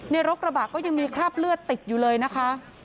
รถกระบะก็ยังมีคราบเลือดติดอยู่เลยนะคะ